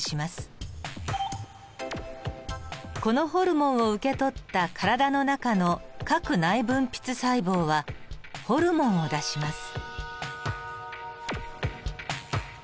このホルモンを受け取った体の中の各内分泌細胞はホルモンを出します。